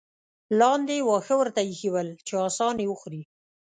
لاندې یې واښه ورته اېښي ول چې اسان یې وخوري.